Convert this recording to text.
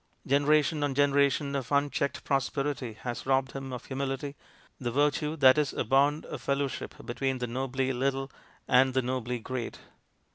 Generation on generation of unchecked prosperity has robbed him of humility, the virtue that is a bond of fellow ship between the nobly little and the nobly great.